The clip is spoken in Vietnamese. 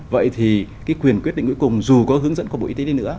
vậy thì cái quyền quyết định cuối cùng dù có hướng dẫn của bộ y tế đi nữa